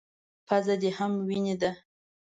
_پزه دې هم وينې ده.